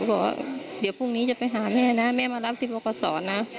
บอกว่าเดี๋ยวพรุ่งนี้จะไปหาแม่นะแม่มารับที่บกศนะ